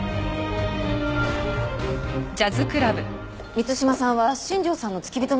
満島さんは新庄さんの付き人なんですよね？